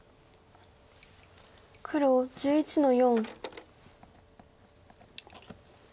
黒１１の四。